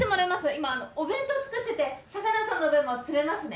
・・今お弁当作ってて相良さんの分も詰めますね・